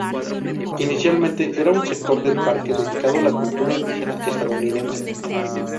Inicialmente era un sector del parque dedicado a la cultura indígena estadounidense.